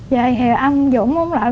về thì anh dũng cũng nói